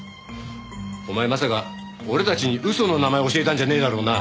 お前まさか俺たちに嘘の名前を教えたんじゃねえだろうな？